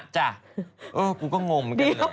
กูก็งม